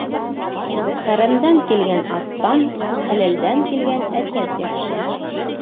Хәрәмдән килгән аттан хәләлдән килгән әтәс яҡшы.